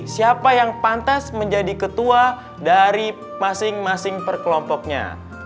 siapa yang pantas menjadi ketua dari masing masing perkelompoknya